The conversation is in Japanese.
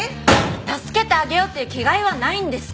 助けてあげようっていう気概はないんですか？